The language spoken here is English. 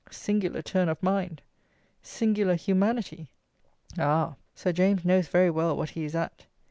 Singular turn of mind! Singular "humanity!" Ah! Sir James knows very well what he is at.